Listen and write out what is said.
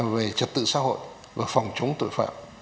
về trật tự xã hội và phòng chống tội phạm